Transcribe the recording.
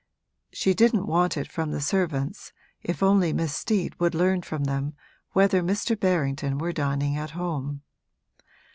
She didn't want it from the servants, if only Miss Steet would learn from them whether Mr. Berrington were dining at home.